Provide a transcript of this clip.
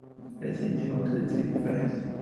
Se hicieron tres diseños diferentes.